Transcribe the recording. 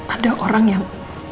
ada orang yang